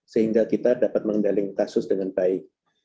sehingga kita dapat mengendalikan kasus dengan baik